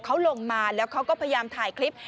เขาลงมาแล้วเขาก็พยายามถ่ายคลิป